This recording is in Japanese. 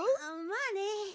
まあね。